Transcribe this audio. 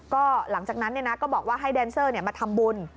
ก็หลังจากนั้นก็บอกว่าให้แดนเซอร์มาทำบุญ